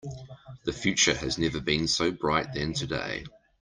The future has never been so bright than today.